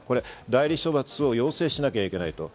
代理処罰を要請しなければいけないと。